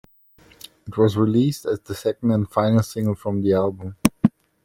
It was released as the second and final single from the album.